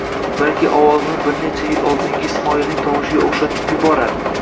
Balki ovozini bir necha yil oldingi Ismoilning tovushiga o'xshatib yuborar.